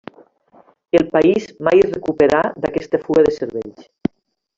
El país mai es recuperà d'aquesta fuga de cervells.